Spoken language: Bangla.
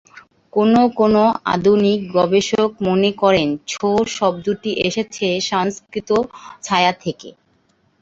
কোনো কোনো আধুনিক গবেষক মনে করেন, ছৌ শব্দটি এসেছে সংস্কৃত ছায়া থেকে।